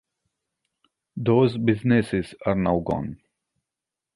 Those businesses are now gone.